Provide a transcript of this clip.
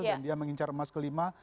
dan dia mengincar emas kelima